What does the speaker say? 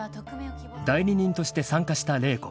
［代理人として参加した麗子］